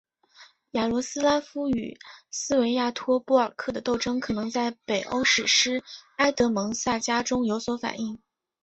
雅罗斯拉夫与斯维亚托波尔克的斗争可能在北欧史诗埃德蒙萨迦中有所反映。